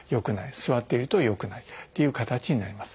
座っているとよくないっていう形になります。